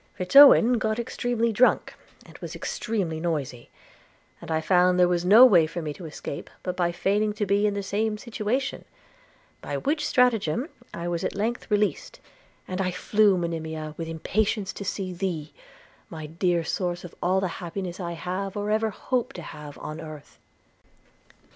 Fitz Owen got extremely drunk, and was extremely noisy; and I found there was no way for me to escape but by feigning to be in the same situation; by which stratagem I was at length released, and flew, Monimia, with impatience to thee, dear source of all the happiness I have, or ever hope to have, on earth!'